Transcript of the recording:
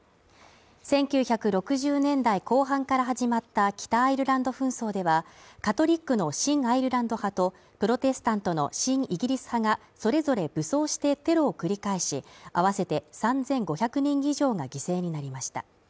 １９６０年代後半から始まった北アイルランド紛争では、カトリックの親アイルランド派とプロテスタントの親イギリス派がそれぞれ武装してテロを繰り返し、あわせて３５００人以上が犠牲になりました。